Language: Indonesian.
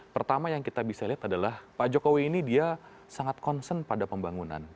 pertama yang kita bisa lihat adalah pak jokowi ini dia sangat concern pada pembangunan